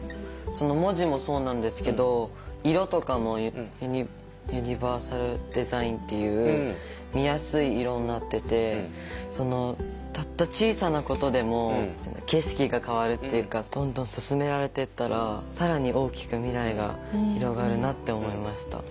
文字もそうなんですけど色とかもユニバーサルデザインっていう見やすい色になっててそのたった小さなことでも景色が変わるっていうかどんどん進められていったら更に大きく未来が広がるなって思いました。